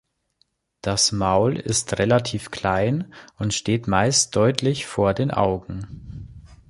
Das Maul ist relativ klein und steht meist deutlich vor den Augen.